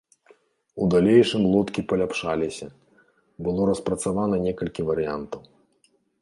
У далейшым лодкі паляпшаліся, было распрацавана некалькі варыянтаў.